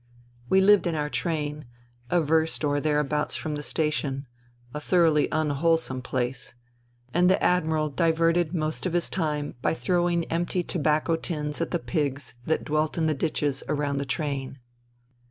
We lived in our train, a verst or thereabouts from the station — a thoroughly unwholesome place ; and the Admiral diverted most of his time by throwing empty tobacco tins at the pigs that dwelt in the ditches around the train.